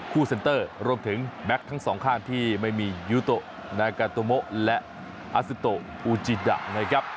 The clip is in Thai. เซ็นเตอร์รวมถึงแม็กซ์ทั้งสองข้างที่ไม่มียูโตนากาโตโมะและอาซิโตอูจิดะนะครับ